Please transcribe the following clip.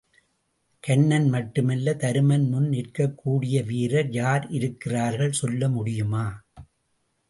கன்னன் மட்டுமல்ல, தருமன் முன் நிற்கக்கூடியவீரர் யார் இருக்கிறார்கள் சொல்லமுடியுமா?